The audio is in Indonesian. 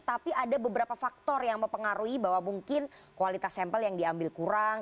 tapi ada beberapa faktor yang mempengaruhi bahwa mungkin kualitas sampel yang diambil kurang